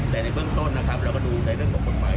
แต่ในเต้นต้นนะครับเราก็ดูในเรื่องกลุ่มผู้ผู้ใหม่